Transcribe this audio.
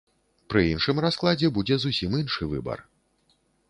Пры іншым раскладзе будзе зусім іншы выбар.